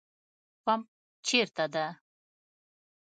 پمپ چیرته ده؟